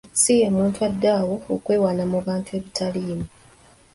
Si ye muntu addaawo okwewaana mu bintu ebitaliimu.